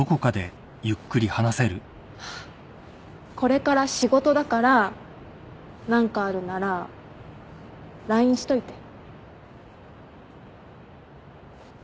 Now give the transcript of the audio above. これから仕事だから何かあるならＬＩＮＥしといて。